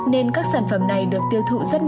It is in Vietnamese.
nên các sản phẩm này được tiêu thụ rất nhanh